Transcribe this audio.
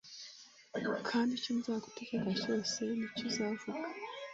kandi icyo nzagutegeka cyose ni cyo uzavuga